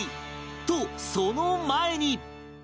とその前に